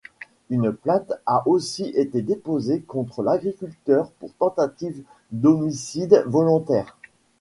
Une plainte a aussi été déposée contre l'agriculteur pour tentative d'homicide volontaire.